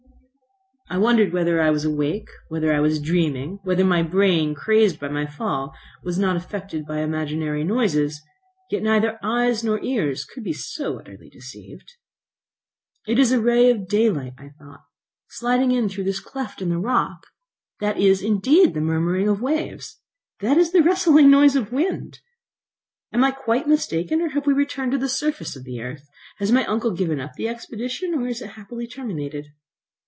I wondered whether I was awake, whether I was dreaming, whether my brain, crazed by my fall, was not affected by imaginary noises. Yet neither eyes, nor ears could be so utterly deceived. It is a ray of daylight, I thought, sliding in through this cleft in the rock! That is indeed the murmuring of waves! That is the rustling noise of wind. Am I quite mistaken, or have we returned to the surface of the earth? Has my uncle given up the expedition, or is it happily terminated?